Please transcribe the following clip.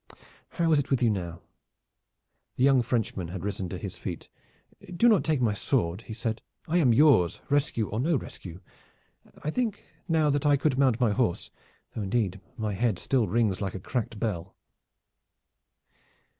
How is it with you now?" The young Frenchman had risen to his feet. "Do not take my sword," he said. "I am yours, rescue or no rescue. I think now that I could mount my horse, though indeed my head still rings like a cracked bell."